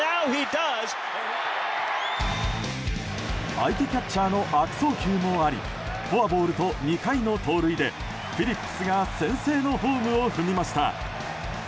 相手キャッチャーの悪送球もありフォアボールと２回の盗塁でフィリップスが先制のホームを踏みました。